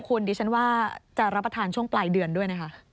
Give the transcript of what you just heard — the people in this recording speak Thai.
คุณดิฉันว่าจะรับประทานช่วงปลายเดือนด้วยนะคะ